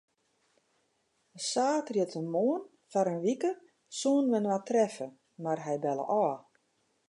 Saterdeitemoarn foar in wike soene wy inoar treffe, mar hy belle ôf.